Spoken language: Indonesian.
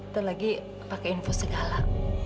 terlagi pakai infosegala